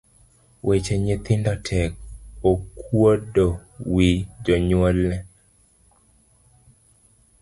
Weche nyithindo tek, okuodo wi jonyuolne.